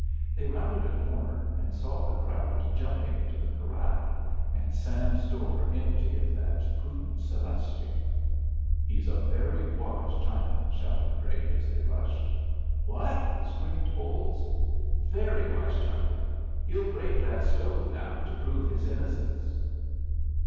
They rounded a corner and saw the crowd jumping into the corral, and Sam's door empty of that prudent Celestial. "He's a very wise Chinaman!" shouted Drake, as they rushed. "What?" screamed Bolles. "Very wise Chinaman. He'll break that stove now to prove his innocence."